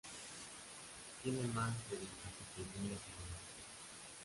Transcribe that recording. Tiene más de veintisiete mil afiliados.